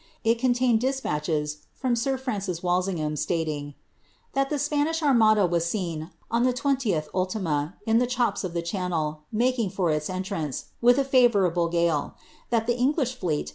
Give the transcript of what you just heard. It con tained despatches from sir Francis Walsingham, stating, " that the 5p nish Armada was seen, on the 20th ull., in the chops of the Channel, making for its entrance, wilh a favourable gale; that the English fleet.